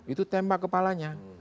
itu tembak kepalanya